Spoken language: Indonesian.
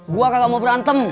gua kagak mau berantem